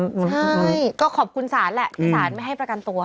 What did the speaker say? ใช่ก็ขอบคุณศาลแหละที่สารไม่ให้ประกันตัว